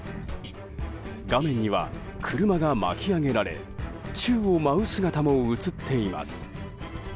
画面には、車が巻き上げられ宙を舞う姿も映っています。